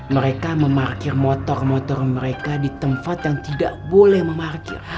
mereka memarkir motor motor mereka di tempat yang tidak boleh memarkir